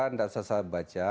tidak salah salah baca